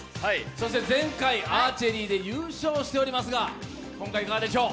そして前回アーチェリーで優勝しておりますが今回いかがでしょう？